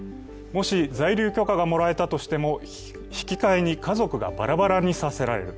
もし在留許可がもらえたとしても引き換えに家族がばらばらにさせられる。